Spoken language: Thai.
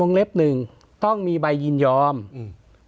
เล็บหนึ่งต้องมีใบยินยอมอืม